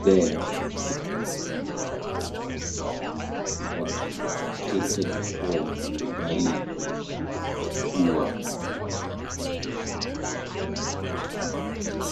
There, they made their thatch-covered stilted home in the valley of Uia.